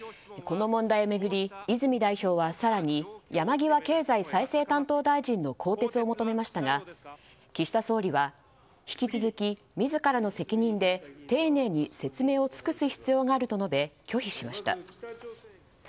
この問題を巡り、泉代表は更に山際経済再生担当大臣の更迭を求めましたが岸田総理は引き続き自らの責任で、丁寧に説明を尽くす必要があると述べ拒否しました。